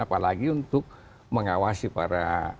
apalagi untuk mengawasi para